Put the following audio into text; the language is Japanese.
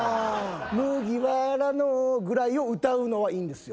麦わらのーぐらいを歌うのはいいんですよ。